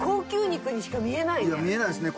見えないですね。